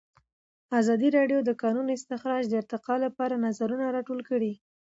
ازادي راډیو د د کانونو استخراج د ارتقا لپاره نظرونه راټول کړي.